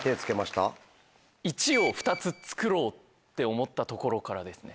１を２つ作ろうって思ったところからですね。